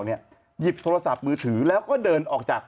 หยิบโทรศัพท์มือถือแล้วก็เดินออกจาก